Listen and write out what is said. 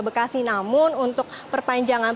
bekasi namun untuk perpanjangan